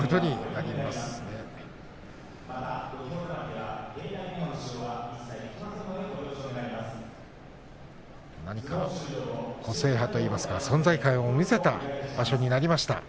なにか、個性派といいますか存在感を見せた場所になりました。